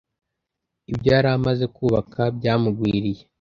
ibyo yaramaze kubaka byamugwiriye